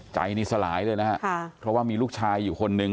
ใจนี่สลายเลยนะฮะเพราะว่ามีลูกชายอยู่คนนึง